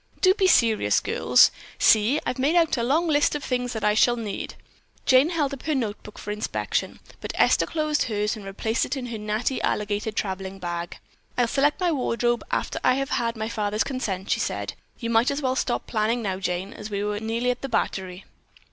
"Do be serious, girls. See, I've made out a long list of things that I shall need." Jane held up her notebook for inspection. But Esther closed hers and replaced it in her natty alligator traveling bag. "I'll select my wardrobe after I have had my father's consent," she said. "You might as well stop planning now, Jane, as we are nearly to the Battery."